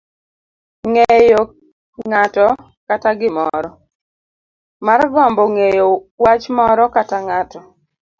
ng'eyo ng'ato kata gimoro. margombo ng'eyo wach moro kata ng'ato.